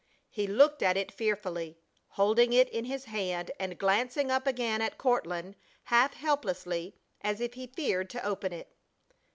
He looked at it fearfully, holding it in his hand and glancing up again at Courtland half helplessly, as if he feared to open it.